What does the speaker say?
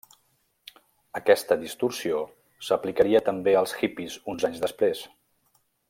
Aquesta distorsió s'aplicaria també als hippies uns anys després.